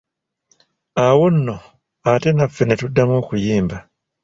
Awo nno ate naffe netuddamu okuyimba.